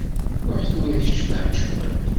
Ruḥ tura kečč fhem cwiṭ…